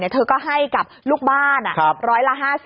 เธอก็ให้กับลูกบ้านร้อยละ๕๐